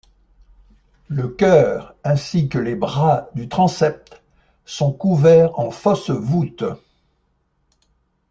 Le chœur ainsi que les bras du transept sont couverts en fausse voûte.